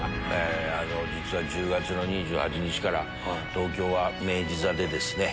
実は１０月の２８日から東京は明治座でですね。